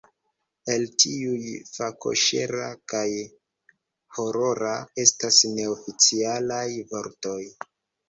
El tiuj, fakoĉera kaj horora estas neoficialaj vortoj.